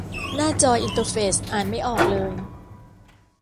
หน้าจออินเตอร์เฟซอ่านไม่ออกเลย